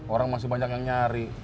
orang masih banyak yang nyari